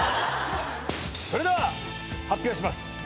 それでは発表します。